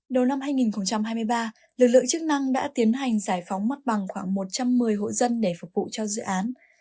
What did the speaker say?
đầu năm hai nghìn hai mươi ba lực lượng chức năng đã tiến hành giải phóng mặt bằng khoảng một trăm một mươi hộ dân để phục vụ cho dự án